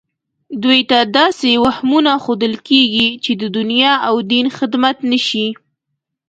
دوی ته داسې وهمونه ښودل کېږي چې د دنیا او دین خدمت نه شي